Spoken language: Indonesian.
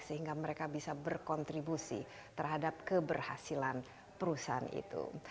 sehingga mereka bisa berkontribusi terhadap keberhasilan perusahaan itu